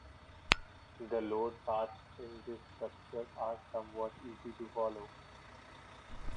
The load paths in this structure are somewhat easy to follow.